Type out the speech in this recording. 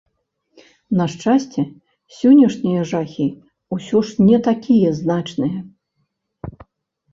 На шчасце, сённяшнія жахі ўсё ж не такія значныя.